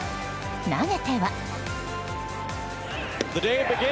投げては。